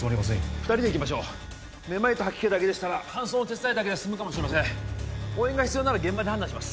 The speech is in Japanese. ２人で行きましょうめまいと吐き気だけでしたら搬送の手伝いだけで済むかもしれません応援が必要なら現場で判断します